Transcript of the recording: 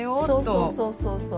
そうそうそうそう。